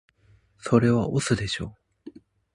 それは押忍でしょ